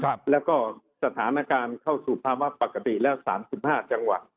ครับแล้วก็สถานการณ์เข้าสู่ภาวะปกติแล้วสามสิบห้าจังหวัด